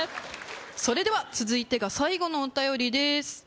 それでは続いてが最後のお便りです